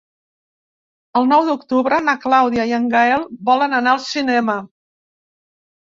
El nou d'octubre na Clàudia i en Gaël volen anar al cinema.